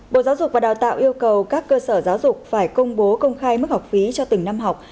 bộ giáo dục và đào tạo yêu cầu các cơ sở giáo dục phải công bố công khai mức học phí cho từng năm học